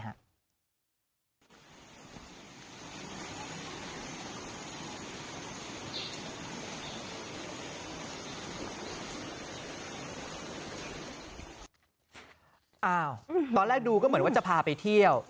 อ้าวตอนแรกดูก็เหมือนว่าจะพาไปเที่ยว